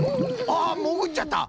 ああもぐっちゃった！